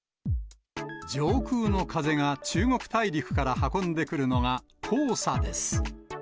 上空の風が中国大陸から運んでくるのが、黄砂です。